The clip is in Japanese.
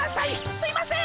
すいません！